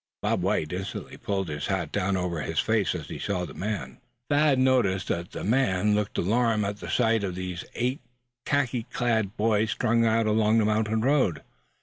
Bob White instantly pulled his hat down over his face as he saw the man. Thad noticed that the other looked alarmed at sight of these eight khaki clad boys strung out along the mountain road.